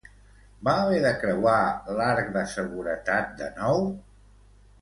Va haver de creuar l'arc de seguretat de nou?